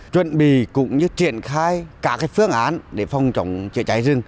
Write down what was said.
chuẩn bị cũng như triển khai các phương án để phòng trọng chảy rừng